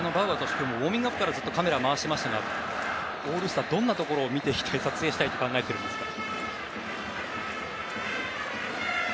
今日もウォーミングアップからずっとカメラを回していましたがオールスターはどんなところを見て撮影したいと考えているんですか？